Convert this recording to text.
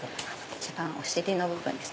一番お尻の部分です。